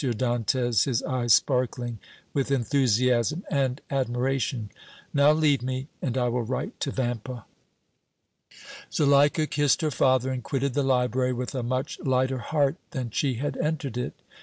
Dantès, his eyes sparkling with enthusiasm and admiration. "Now leave me, and I will write to Vampa." Zuleika kissed her father and quitted the library with a much lighter heart than she had entered it.